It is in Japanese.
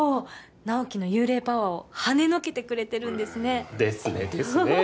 直木の幽霊パワーをはねのけてくれてるんですねですねですね